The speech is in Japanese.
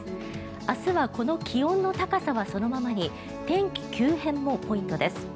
明日はこの気温の高さはそのままに天気急変もポイントです。